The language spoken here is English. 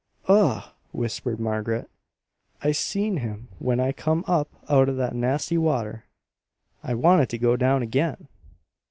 "Ugh!" whispered Margaret. "I seen him when I come up out o' that nasty water. I wanted to go down again."